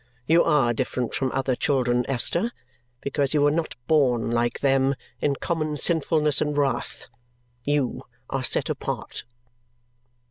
You are different from other children, Esther, because you were not born, like them, in common sinfulness and wrath. You are set apart."